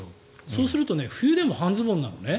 そうすると冬でも半ズボンなのね。